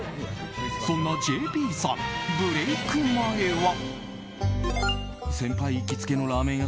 そんなＪＰさん、ブレーク前は。